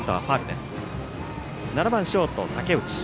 ７番ショート、竹内。